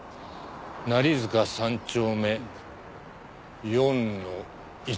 成塚３丁目４の１。